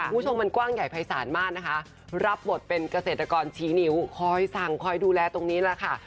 คุณผู้ชมมันกว้างใหญ่ภายศาลมากนะคะรับบทเป็นเกษตรกรชี้นิ้วคอยสั่งคอยดูแลตรงนี้แหละค่ะ